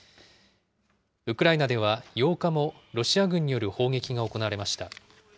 ウクライナでは８日もロシア軍による砲撃が行われました。